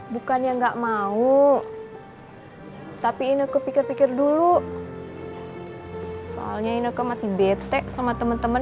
bukannya nggak mau tapi ineke pikir pikir dulu soalnya ineke masih bete sama temen temen